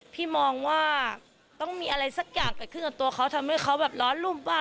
พี่มองว่าต้องมีอะไรสักอย่างเกิดขึ้นกับตัวเขาทำให้เขาแบบร้อนรูปบ้าง